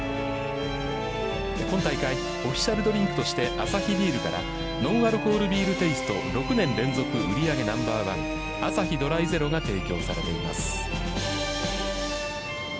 今大会オフィシャルドリンクとしてアサヒビールからノンアルコールビールテイスト６年連続売上ナンバーワンアサヒドライゼロが提供されています。